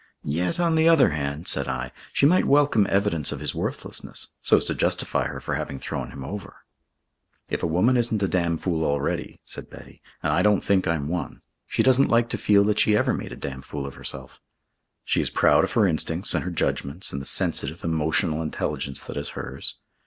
"Yet, on the other hand," said I, "she might welcome evidence of his worthlessness, so as to justify her for having thrown him over." "If a woman isn't a dam fool already," said Betty, "and I don't think I'm one, she doesn't like to feel that she ever made a dam fool of herself. She is proud of her instincts and her judgments and the sensitive, emotional intelligence that is hers.